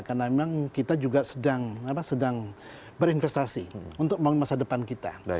karena memang kita juga sedang berinvestasi untuk membangun masa depan kita